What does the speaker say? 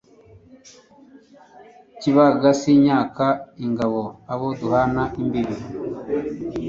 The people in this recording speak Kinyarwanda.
Kibaga sinyaka ingabo abo duhana imbibi